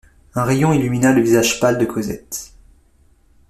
Un rayon illumina le visage pâle de Cosette.